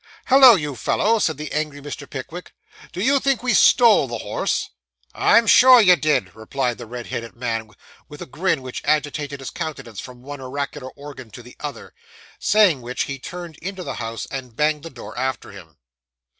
'Hollo, you fellow,' said the angry Mr. Pickwick, 'do you think we stole the horse?' 'I'm sure ye did,' replied the red headed man, with a grin which agitated his countenance from one auricular organ to the other. Saying which he turned into the house and banged the door after him.